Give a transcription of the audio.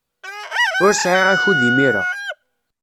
Ur sɛiɣ akud imir-a.